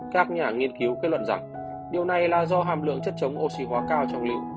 các nhà nghiên cứu kết luận rằng điều này là do hàm lượng chất chống oxy hóa cao trong lưu